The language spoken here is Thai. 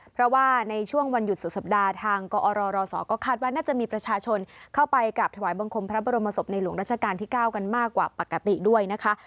เพราะว่าในช่วงวันหยุดสุดสัปดาห์ทางกอรรศก็คาดว่าน่าจะมีประชาชนเข้าไปกราบถวายบังคมพระบรมศพในหลวงราชการที่๙กันมากกว่าปกติด้วยนะคะ